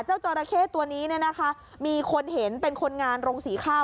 เจ้าจราเข้ตัวนี้นะคะมีคนเห็นเป็นคนงานรงสีข้าว